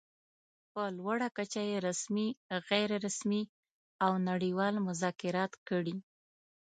په لوړه کچه يې رسمي، غیر رسمي او نړۍوال مذاکرات کړي.